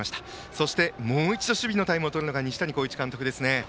そして、もう一度守備のタイムをとる西谷浩一監督。